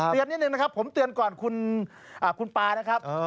เรียนหนึ่งนะคะผมเตือนก่อนคุณปลานะครับ